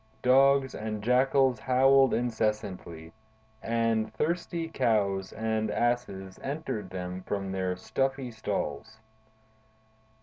Dogs and jackals howled incessantly, and thirsty cows and asses answered them from their stuffy stalls.